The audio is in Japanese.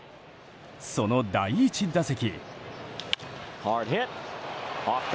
その第１打席。